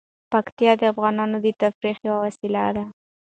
پکتیا د افغانانو د تفریح یوه وسیله ده.